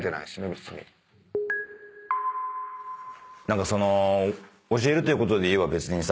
何かその教えるということでいえば別にさ。